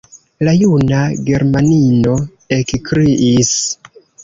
La juna germanino ekkriis: